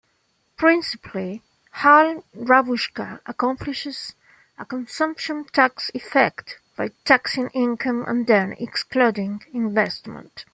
Principally, Hall-Rabushka accomplishes a consumption tax effect by taxing income and then excluding investment.